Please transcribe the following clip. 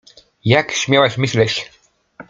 — Jak śmiałaś myśleć?